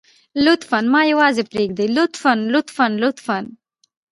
لطفاً ما يوازې پرېږدئ لطفاً لطفاً لطفاً.